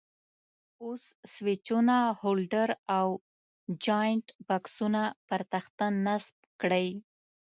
اوس سویچونه، هولډر او جاینټ بکسونه پر تخته نصب کړئ.